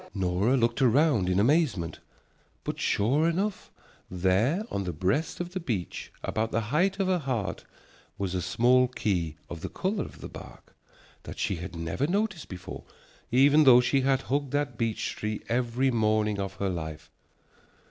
Nora looked around in amazement, but sure enough, there on the breast of the beech, about the height of her heart, was a small key of the color of the bark, that she had never noticed before, though she had hugged that beech tree every morning of her life.